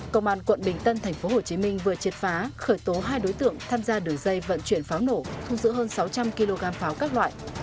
công an quận bình tân tp hcm vừa triệt phá khởi tố hai đối tượng tham gia đường dây vận chuyển pháo nổ thu giữ hơn sáu trăm linh kg pháo các loại